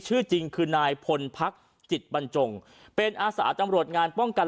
ชื่อจริงคือนายพลพักจิตบรรจงเป็นอาสาตำรวจงานป้องกัน